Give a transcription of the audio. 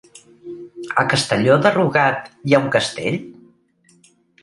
A Castelló de Rugat hi ha un castell?